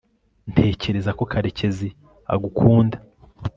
ntekereza ko karekezi agukunda